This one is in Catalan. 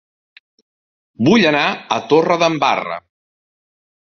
Vull anar a Torredembarra